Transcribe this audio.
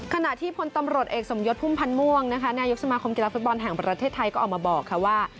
ขณะที่พลตำรวจเอกสมยศพุ่มพันธ์ม่วงนะคะนายกสมาคมกีฬาฟุตบอลแห่งประเทศไทยก็ออกมาบอกค่ะว่า